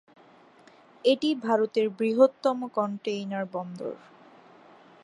এটি ভারতের বৃহত্তম কন্টেইনার বন্দর।